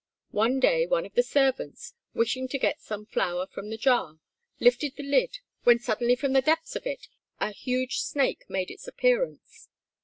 One day one of the servants, wishing to get some flour from the jar, lifted the lid, when suddenly from the depths of it a huge snake made its appearance.